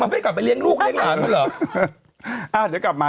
ไม่กลับไปเลี้ยงลูกเลี้ยงหลานมันเหรอ